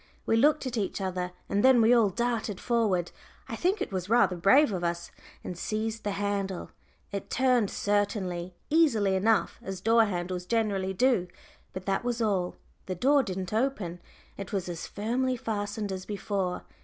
We looked at each other, and then we all darted forward I think it was rather brave of us and seized the handle. It turned certainly, easily enough, as door handles generally do, but that was all. The door didn't open; it was as firmly fastened as before.